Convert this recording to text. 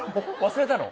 忘れたの。